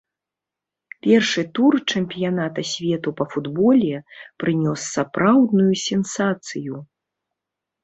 Першы тур чэмпіяната свету па футболе прынёс сапраўдную сенсацыю.